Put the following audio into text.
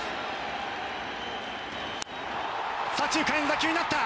左中間への打球になった！